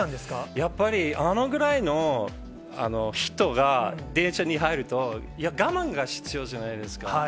やっぱり、あのぐらいの人が電車に入ると、我慢が必要じゃないですか。